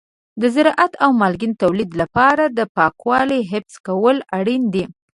د زراعت او مالګین تولید لپاره د پاکوالي حفظ کول اړین دي.